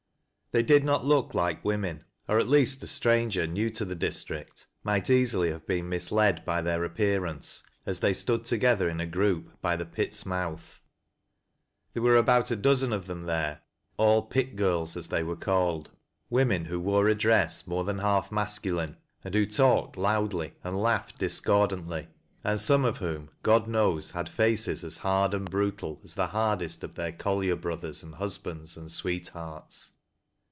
They did not look like women, or at least a stranger new to the district might easily have been misled by theii appearance, as they stood together in a group, by the pit'e mouth. There were about a dozen of them there — all " pit girls," as they were called ; women who wore a dress more than half masculine, and who talked loudly and laughed discordantly, and some of whom, God knows, had faces as hard and brutal as the hardest of their col lier brothers and husbands and sweethearts.